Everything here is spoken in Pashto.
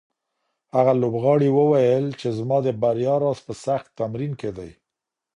هغه لوبغاړی وویل چې زما د بریا راز په سخت تمرین کې دی.